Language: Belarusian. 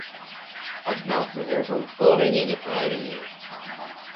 Аднак гэта ў корані не правільна.